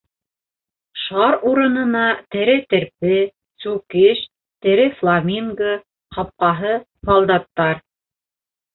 Шар урынына тере терпе, сүкеш —тере фламинго, ҡапҡаһы —һалдаттар.